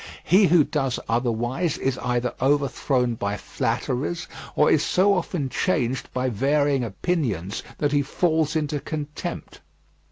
He who does otherwise is either overthrown by flatterers, or is so often changed by varying opinions that he falls into contempt.